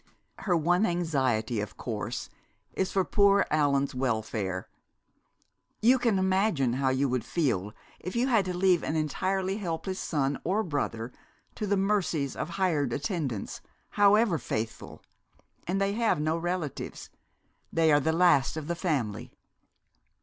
"Her one anxiety, of course, is for poor Allan's welfare. You can imagine how you would feel if you had to leave an entirely helpless son or brother to the mercies of hired attendants, however faithful. And they have no relatives they are the last of the family."